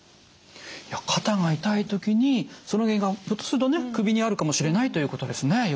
いや肩が痛い時にその原因がひょっとするとね首にあるかもしれないということですね。